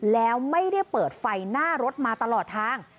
แล้วไม่ได้เปิดไฟหน้ารถมาตลอดทาง